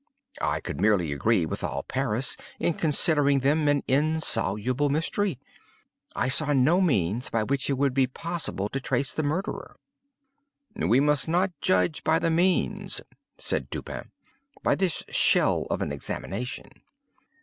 I could merely agree with all Paris in considering them an insoluble mystery. I saw no means by which it would be possible to trace the murderer. "We must not judge of the means," said Dupin, "by this shell of an examination.